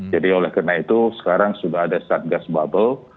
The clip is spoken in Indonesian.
jadi oleh karena itu sekarang sudah ada start gas bubble